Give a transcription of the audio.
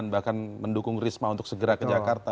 bahkan mendukung risma untuk segera ke jakarta